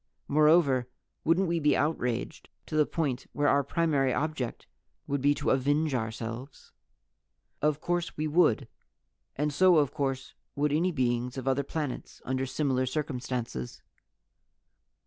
Moreover, wouldn't we be outraged to the point where our primary object would be to avenge ourselves? "Of course we would. And so of course would any beings on other planets, under similar circumstances."